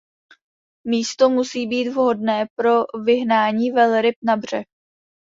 Místo musí být vhodné pro vyhnání velryb na břeh.